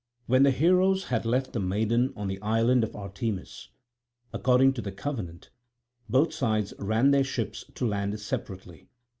When the heroes had left the maiden on the island of Artemis, according to the covenant, both sides ran their ships to land separately.